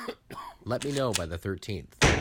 Let me know by the thirteenth.